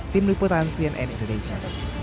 tim liputan cnn indonesia